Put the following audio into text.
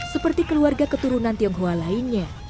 seperti keluarga keturunan tionghoa lainnya